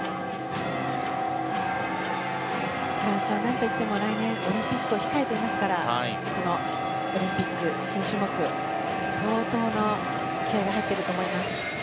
フランスは何といっても来年控えていますからこのオリンピック新種目相当の気合が入っていると思います。